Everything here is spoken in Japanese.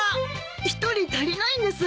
１人足りないんです。